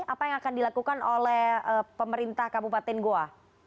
apa yang akan dilakukan oleh pemerintah kabupaten goa